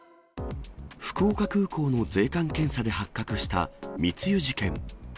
福岡空港の税関検査で発覚した密輸事件。